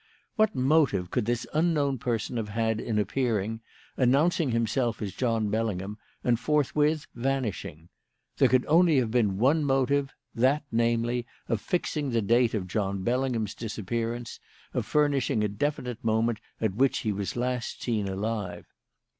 "What motive could this unknown person have had in appearing, announcing himself as John Bellingham, and forthwith vanishing? There could only have been one motive: that, namely, of fixing the date of John Bellingham's disappearance of furnishing a definite moment at which he was last seen alive.